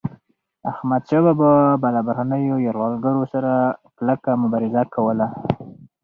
احمدشاه بابا به له بهرنيو یرغلګرو سره کلکه مبارزه کوله.